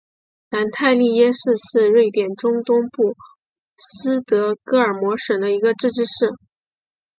南泰利耶市是瑞典中东部斯德哥尔摩省的一个自治市。